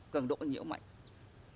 cần độ nhiễu mạnh